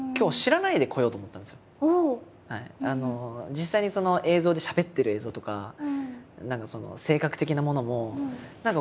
実際に映像でしゃべってる映像とか何か性格的なものも何か